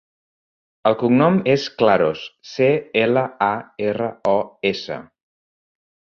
El cognom és Claros: ce, ela, a, erra, o, essa.